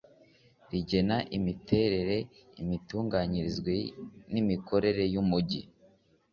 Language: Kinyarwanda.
Rigena imiterere imitunganyirize n imikorere y umujyi